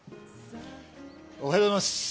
おはようございます。